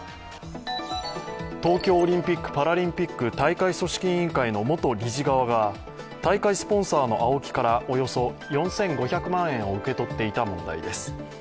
東京オリンピック・パラリンピック大会組織委員会の元理事側が高いスポンサーのＡＯＫＩからおよそ４５００万円を受け取っていた問題です。